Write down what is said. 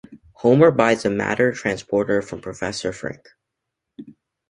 Homer buys a matter transporter from Professor Frink.